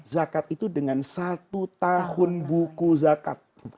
zakat itu dengan satu tahun buku zakat